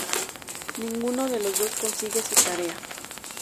Ninguno de los dos consigue su tarea.